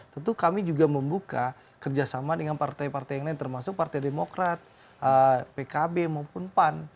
tentu kami juga membuka kerjasama dengan partai partai yang lain termasuk partai demokrat pkb maupun pan